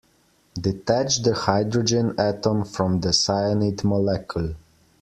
Detach the hydrogen atom from the cyanide molecule.